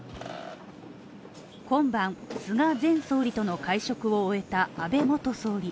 今晩、菅前総理との会食を終えた安倍元総理。